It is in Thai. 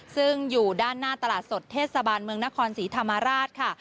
ซึ่งอยู่ด้านหน้าตลาดสดเทศบาลเมืองนครศรีธรรมราชค่ะ